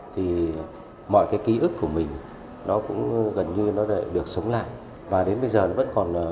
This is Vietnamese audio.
thì mọi cái ký ức của mình nó cũng gần như nó đã được sống lại và đến bây giờ vẫn còn vẹn nguyên cái cảm xúc đó